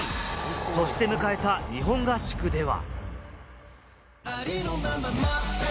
そして迎えた日本合宿では。